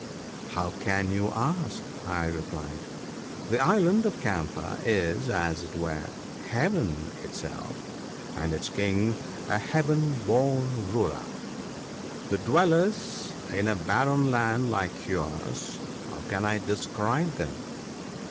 " How can you ask ?" I replied ;" the island of Camphor is, as it were, Heaven itself, and its King a heaven born ruler. To dwellers in a barren land like yours how can I describe them